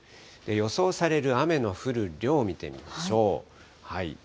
予想される雨の降る量を見てみましょう。